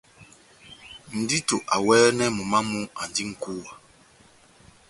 Ndito awɛnɛngɛ momó wamu, andi nʼkúwa.